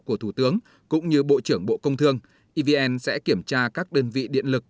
của thủ tướng cũng như bộ trưởng bộ công thương evn sẽ kiểm tra các đơn vị điện lực